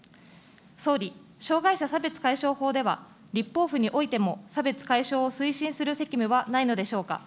総理、障害者差別解消法では、立法府においても差別解消を推進する責務はないのでしょうか。